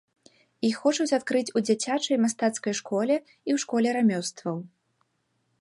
Іх хочуць адкрыць у дзіцячай мастацкай школе і ў школе рамёстваў.